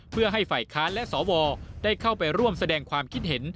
เพื่อให้ฝ่ายค้านและสวได้เข้าไปร่วมแสดงความคิดเห็น